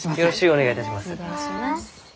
お願いします。